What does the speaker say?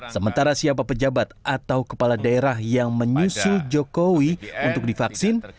sementara siapa pejabat atau kepala daerah yang menyusul jokowi untuk divaksin